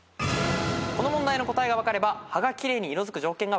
この問題の答えが分かれば葉が奇麗に色づく条件が分かります。